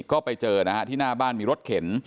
ก็ไปเจอนะฮะที่หน้าบ้านมีรถเข็น